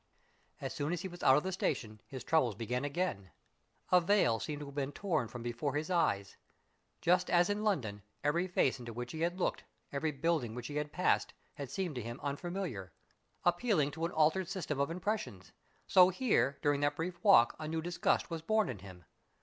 As soon as he was out of the station, his troubles began again. A veil seemed to have been torn from before his eyes. Just as in London every face into which he had looked, every building which he had passed, had seemed to him unfamiliar, appealing to an altered system of impressions, so here, during that brief walk, a new disgust was born in him.